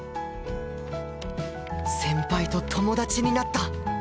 先輩と友達になった